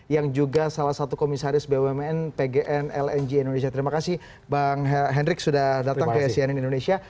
yang juga salah satu komisaris bumn pgn lng indonesia terima kasih bang hendrik sudah datang ke cnn indonesia